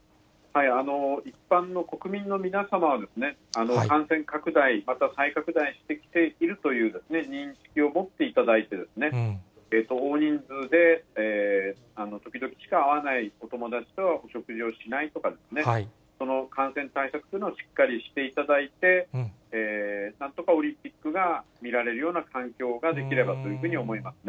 一般の国民の皆様は、感染拡大、また再拡大してきているという認識を持っていただいて、大人数で時々しか会わないお友達とはお食事をしないとか、感染対策というのをしっかりしていただいて、なんとかオリンピックが見られるような環境ができればというふう